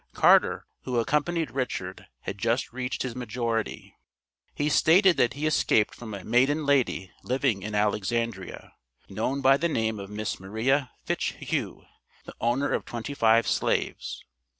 Carter, who accompanied Richard, had just reached his majority. He stated that he escaped from a "maiden lady" living in Alexandria, known by the name of Miss Maria Fitchhugh, the owner of twenty five slaves.